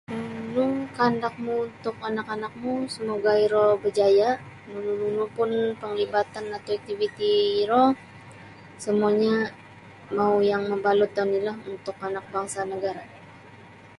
Nunu kandakmu untuk anak-anakmu semoga iro berjaya. Nunu-nunu pun penglibatan atau iktiviti iro semuanyo mau yang mabalut oni lah untuk anak bangsa negara.